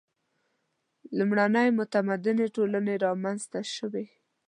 • لومړنۍ متمدنې ټولنې رامنځته شوې.